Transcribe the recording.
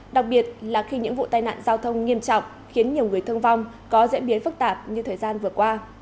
đặc biệt là khi những vụ tai nạn giao thông nghiêm trọng khiến nhiều người thương vong có diễn biến phức tạp như thời gian vừa qua